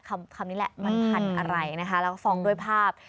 คำนี้แหละมันพันธุ์อะไรนะคะแล้วก็ฟ้องด้วยภาพ